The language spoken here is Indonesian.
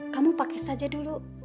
kamu pakai saja dulu